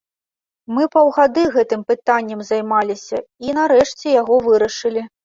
Мы паўгады гэтым пытаннем займаліся і, нарэшце, яго вырашылі.